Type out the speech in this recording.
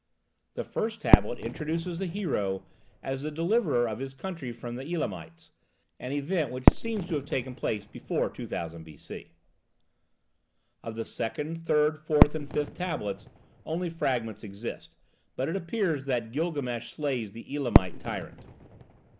The first tablet introduces the hero as the deliverer of his country from the Elamites, an event which seems to have taken place before 2000 B.C. Of the second, third, fourth, and fifth tablets, only fragments exist, but it appears that Gilgamesh slays the Elamite tyrant.